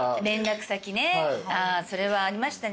それはありましたね。